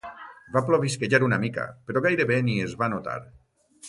Va plovisquejar una mica, però gairebé ni es va notar.